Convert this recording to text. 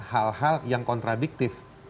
hal hal yang kontradiktif